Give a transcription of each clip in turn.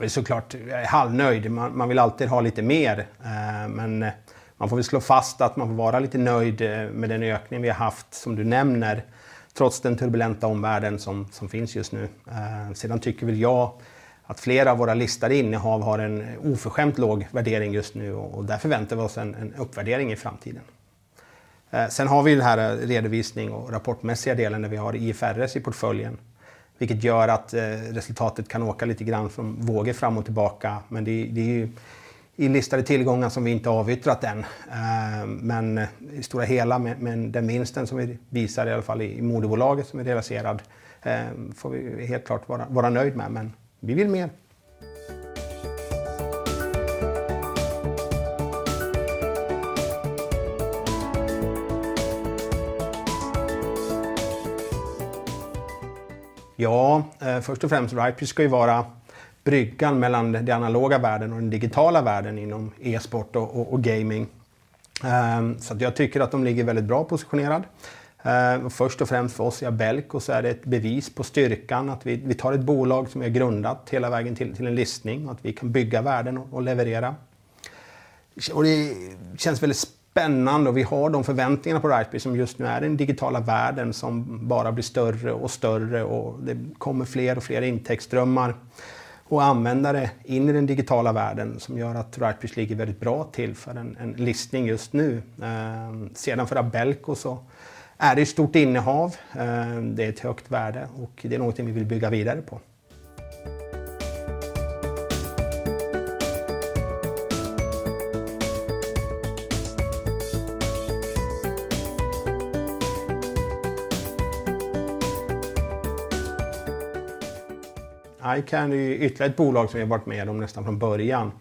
Jag är så klart, jag är halvnöjd. Man vill alltid ha lite mer, men man får väl slå fast att man får vara lite nöjd med den ökning vi haft som du nämner, trots den turbulenta omvärlden som finns just nu. Tycker väl jag att flera av våra listade innehav har en oförskämt låg värdering just nu och där förväntar vi oss en uppvärdering i framtiden. Har vi den här redovisning och rapportmässiga delen när vi har IFRS i portföljen, vilket gör att resultatet kan åka lite grann som vågor fram och tillbaka. Det är ju i listade tillgångar som vi inte avyttrat än. I stora hela med den vinsten som vi visar i alla fall i moderbolaget som är relaterad får vi helt klart vara nöjd med. Vi vill mer. Ja, först och främst RightBridge ska vara bryggan mellan det analoga världen och den digitala världen inom e-sport och gaming. Så jag tycker att de ligger väldigt bra positionerad. Först och främst för oss i Abelco så är det ett bevis på styrkan att vi tar ett bolag som är grundat hela vägen till en listning. Vi kan bygga värden och leverera. Det känns väldigt spännande och vi har de förväntningarna på RightBridge som just nu är den digitala världen som bara blir större och större och det kommer fler och fler intäktsströmmar och användare in i den digitala världen som gör att RightBridge ligger väldigt bra till för en listning just nu. Sedan för Abelco så är det ett stort innehav, det är ett högt värde och det är någonting vi vill bygga vidare på. iCandy är ytterligare ett bolag som vi har varit med om nästan från början.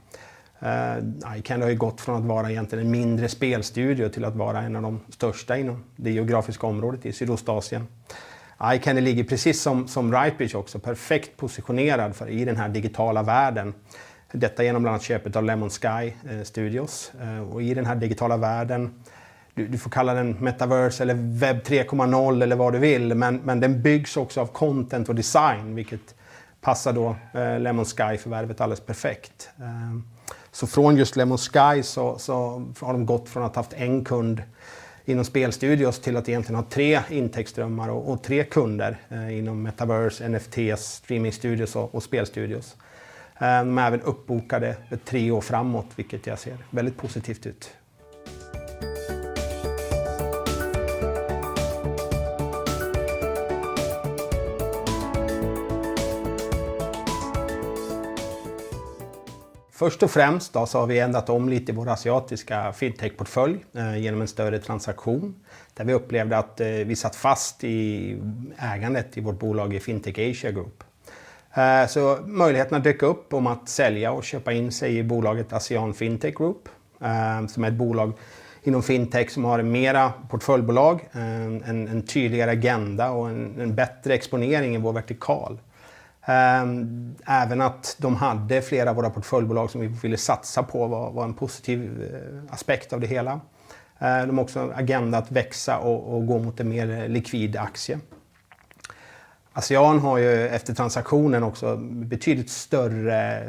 iCandy har ju gått från att vara egentligen en mindre spelstudio till att vara en av de största inom det geografiska området i Sydostasien. iCandy ligger precis som RightBridge också perfekt positionerad för i den här digitala världen. Detta igenom bland annat köpet av Lemon Sky Studios och i den här digitala världen. Du får kalla den Metaverse eller Web 3.0 eller vad du vill, men den byggs också av content och design, vilket passar då Lemon Sky-förvärvet alldeles perfekt. Så från just Lemon Sky så har de gått från att haft en kund inom spelstudios till att egentligen ha tre intäktsströmmar och tre kunder inom Metaverse, NFT, streamingstudios och spelstudios. De är även uppbokade tre år framåt, vilket jag ser väldigt positivt ut. Först och främst då så har vi ändrat om lite i vår asiatiska fintech-portfölj genom en större transaktion, där vi upplevde att vi satt fast i ägandet i vårt bolag i Fintech Asia Group. Så möjligheten att dök upp om att sälja och köpa in sig i bolaget ASEAN Fintech Group, som är ett bolag inom Fintech som har mera portföljbolag, en tydligare agenda och en bättre exponering i vår vertikal. Även att de hade flera av våra portföljbolag som vi ville satsa på var en positiv aspekt av det hela. De har också en agenda att växa och gå mot en mer likvid aktie. ASEAN har ju efter transaktionen också betydligt större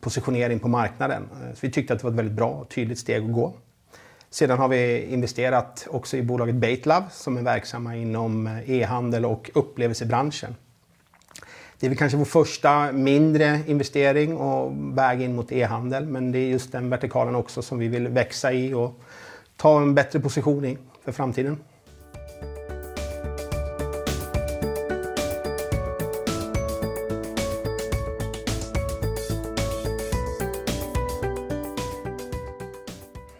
positionering på marknaden. Vi tyckte att det var ett väldigt bra och tydligt steg att gå. Har vi investerat också i bolaget Baitlove, som är verksamma inom e-handel och upplevelsebranschen. Det är kanske vår första mindre investering och väg in mot e-handel, men det är just den vertikalen också som vi vill växa i och ta en bättre position i för framtiden.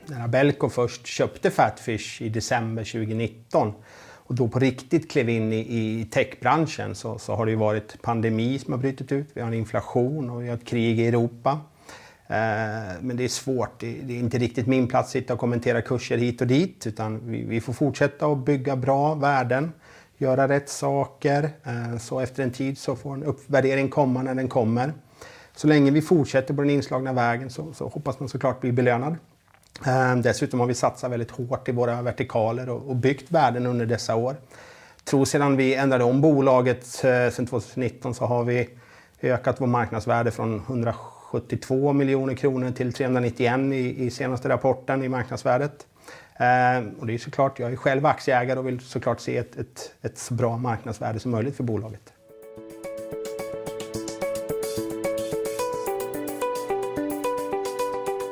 När Abelco först köpte Fatfish i december 2019 och då på riktigt klev in i techbranschen, så har det ju varit pandemi som har brutit ut. Vi har en inflation och vi har ett krig i Europa. Det är svårt. Det är inte riktigt min plats att sitta och kommentera kurser hit och dit, utan vi får fortsätta att bygga bra värden, göra rätt saker. Efter en tid så får en uppvärdering komma när den kommer. Så länge vi fortsätter på den inslagna vägen, så hoppas man så klart bli belönad. Dessutom har vi satsat väldigt hårt i våra vertikaler och byggt värden under dessa år. Tror sedan vi ändrade om bolaget sen 2019 så har vi ökat vår marknadsvärde från 172 miljoner kronor till 391 i senaste rapporten i marknadsvärdet. Och det är så klart, jag är själv aktieägare och vill så klart se ett så bra marknadsvärde som möjligt för bolaget.